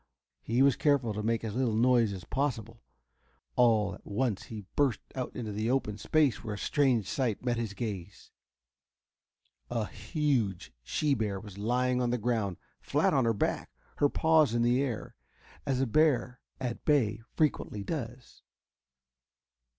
He was careful to make as little noise as possible. All at once he burst out into an open space where a strange sight met his gaze. A huge she bear was lying on the ground, flat on her back, her paws in the air, as a bear at bay frequently does.